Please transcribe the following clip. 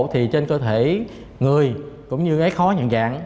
thì trên cơ thể người cũng như cái khó nhận dạng